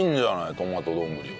トマト丼は。